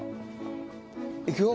いくよ。